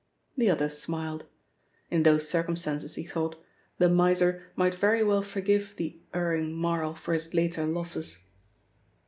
The other smiled. In those circumstances, he thought, the miser might very well forgive the erring Marl for his later losses.